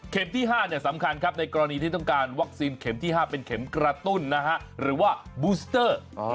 ที่๕สำคัญครับในกรณีที่ต้องการวัคซีนเข็มที่๕เป็นเข็มกระตุ้นหรือว่าบูสเตอร์